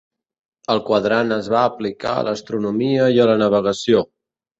El quadrant es va aplicar a l'astronomia i a la navegació.